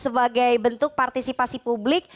sebagai bentuk partisipasi publik